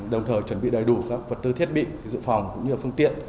đồng thời chuẩn bị đầy đủ các vật tư thiết bị dự phòng cũng như phương tiện